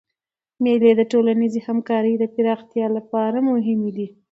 مېلې د ټولنیزي همکارۍ د پراختیا له پاره مهمي دي.